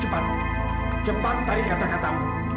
cepat cepat tai kata katamu